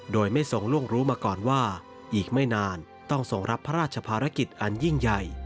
โดยไม่ทรงล่วงรู้มาก่อนว่าอีกไม่นานต้องส่งรับพระราชภารกิจอันยิ่งใหญ่